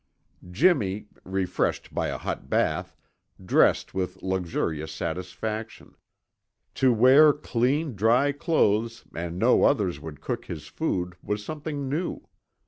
Jimmy, refreshed by a hot bath, dressed with luxurious satisfaction. To wear clean, dry clothes and know others would cook his food was something new.